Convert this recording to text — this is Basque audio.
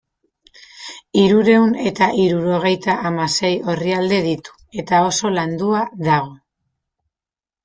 Hirurehun eta hirurogeita hamasei orrialde ditu eta oso landua dago.